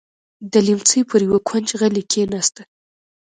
د ليمڅي پر يوه کونج غلې کېناسته.